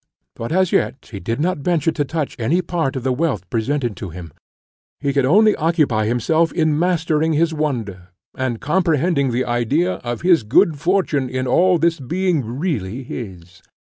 But as yet he did not venture to touch any part of the wealth presented to him; he could only occupy himself in mastering his wonder, and comprehending the idea of his good fortune in all this being really his.